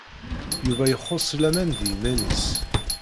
Yuba ixuṣṣ laman deg yiman-nnes.